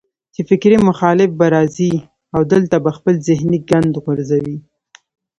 چې فکري مخالف به راځي او دلته به خپل ذهني ګند غورځوي